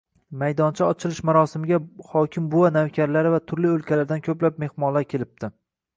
Maydoncha ochilish marosimiga hokim buva navkarlari va turli oʻlkalardan koʻplab mehmonlar kelibdi.